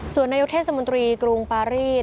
ส่วนนายกเทศมนตรีกรุงปารีส